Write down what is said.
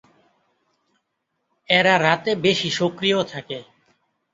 এরা রাতে বেশি সক্রিয় থাকে।